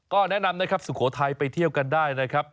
ก็แนะนำนะครับสุโขทัยไปเที่ยวกันได้นะครับ